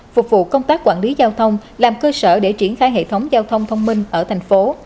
phục vụ công tác quản lý giao thông làm cơ sở để triển khai hệ thống giao thông thông minh ở thành phố